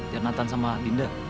yang lantan sama dinda